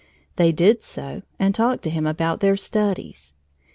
They did so and talked to him about their studies.